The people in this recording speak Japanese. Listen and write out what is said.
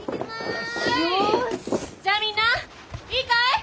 じゃあみんないいかい？